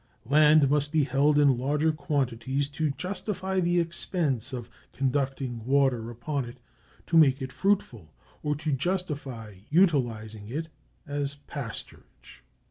Land must be held in larger quantities to justify the expense of conducting water upon it to make it fruitful, or to justify utilizing it as pasturage.